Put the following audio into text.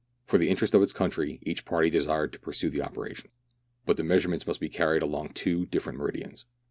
For the interest of its country, each party desired to pursue the operations ; but the measurements must be carried along two different meridians.